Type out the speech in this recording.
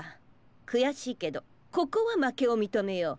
くやしいけどここはまけをみとめよう。